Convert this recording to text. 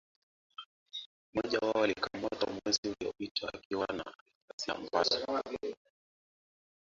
mmoja wao alikamatwa mwezi uliopita akiwa na risasi ambazo